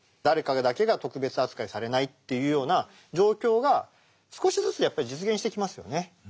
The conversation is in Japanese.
誰かだけが特別扱いされないというような状況が少しずつやっぱり実現してきますよね。